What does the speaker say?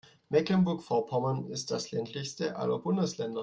Mecklenburg-Vorpommern ist das ländlichste aller Bundesländer.